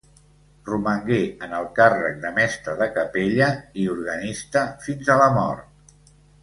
Romangué en el càrrec de mestre de capella i organista fins a la mort.